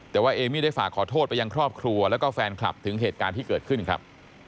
แต่ว่าเอมี่ได้ฝากขอโทษไปยังครอบครัวแล้วก็แฟนคลับถึงเหตุการณ์ที่เกิดขึ้นครับ